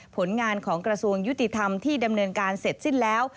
ผลงานของกระทรวงยุติธรรมที่ดำเนินการเสร็จสิ้นแล้ว